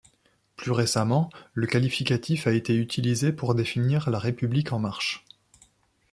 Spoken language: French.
Plus récemment, le qualificatif a été utilisé pour définir La République en marche.